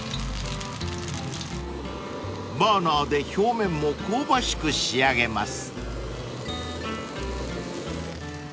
［バーナーで表面も香ばしく仕上げます］